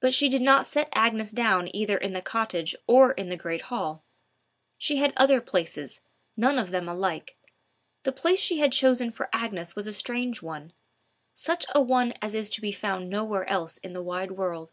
But she did not set Agnes down either in the cottage or in the great hall. She had other places, none of them alike. The place she had chosen for Agnes was a strange one—such a one as is to be found nowhere else in the wide world.